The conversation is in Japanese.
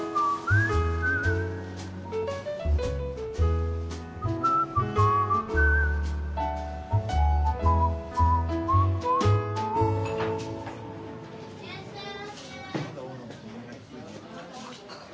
いらっしゃいませ。